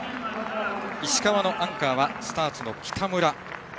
石川のアンカーはスターツの北村。